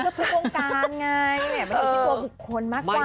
ก็ทุกวงการไงมันอยู่ที่ตัวบุคคลมากกว่า